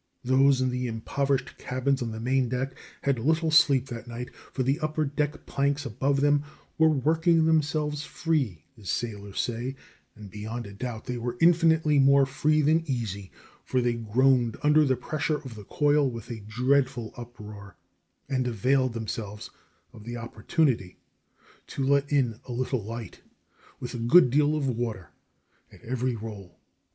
Those in the impoverished cabins on the main deck had little sleep that night, for the upper deck planks above them were "working themselves free," as sailors say; and beyond a doubt they were infinitely more free than easy, for they groaned under the pressure of the coil with a dreadful uproar, and availed themselves of the opportunity to let in a little light, with a good deal of water, at every roll.